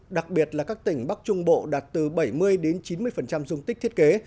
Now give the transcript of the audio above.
đặc biệt là các tỉnh bắc trung bộ đạt từ bảy mươi chín mươi dung tích thiết kế